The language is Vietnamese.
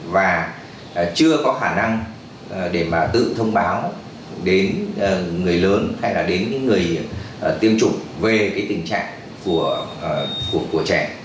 và chưa có khả năng để mà tự thông báo đến người lớn hay là đến những người tiêm chủng về cái tình trạng của trẻ